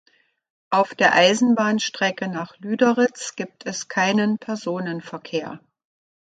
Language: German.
Auf der Eisenbahnstrecke nach Lüderitz gibt es keinen Personenverkehr.